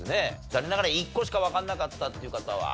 残念ながら１個しかわかんなかったっていう方は？